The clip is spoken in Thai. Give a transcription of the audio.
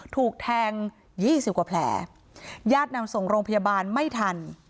ถูกแทงยี่สิบกว่าแผลญาตินำส่งโรงพยาบาลไม่ทัน